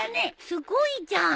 すごいじゃん！